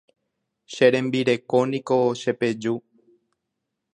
Che rembireko niko chepeju.